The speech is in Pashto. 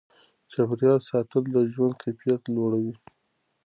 چاپیریال ساتل د ژوند کیفیت لوړوي.